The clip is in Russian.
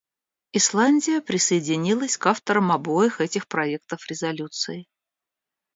Исландия присоединилась к авторам обоих этих проектов резолюций.